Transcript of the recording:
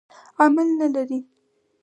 عمل نه لري.